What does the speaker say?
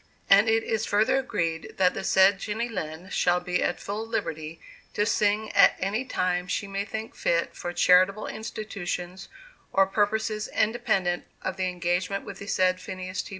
And it is further agreed that the said Jenny Lind shall be at full liberty to sing at any time she may think fit for charitable institutions or purposes independent of the engagement with the said Phineas T.